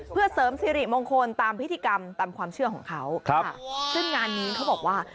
เพื่อเสริมสิริมงคลตามพิธีกรรมตามความเชื่อของเขาครับซึ่งงานนี้เขาบอกว่า